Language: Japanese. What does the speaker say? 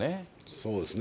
そうですね。